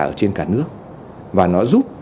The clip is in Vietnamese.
ở trên cả nước và nó giúp